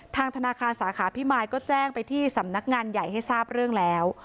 ทางธนาคารสาขาพิมายก็แจ้งไปที่สำนักงานใหญ่ให้ทราบเรื่องแล้ว